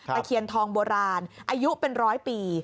ตะเคียนทองโบราณอายุเป็นร้อยปี